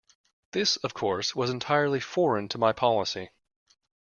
This, of course, was entirely foreign to my policy.